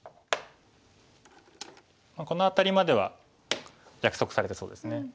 この辺りまでは約束されてそうですね。